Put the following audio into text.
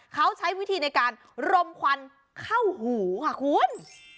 เขาใช้วิธีในการรมควันเข้าหูค่ะคุณ